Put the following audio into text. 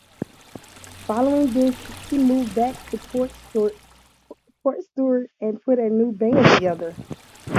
Following this he moved back to Portstewart and put a new band together.